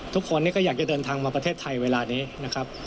ทุกคนก็อยากจะเดินทางมาประเทศไทยเวลานี้นะครับ